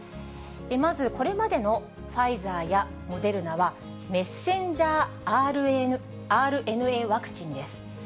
まず、これまでのファイザーやモデルナは、ｍＲＮＡワクチンです。